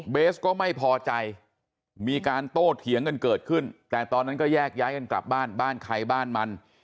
เบสก็ไม่พอใจมีการโต้เถียงกันเกิดขึ้นแต่ตอนนั้นก็แยกย้ายกันกลับบ้านบ้านใครบ้านมัน